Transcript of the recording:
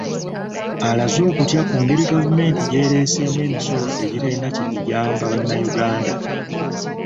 Alaze okutya ku ngeri gavumenti gy'ereeseemu emisolo egitalina kye giyamba bannayuganda.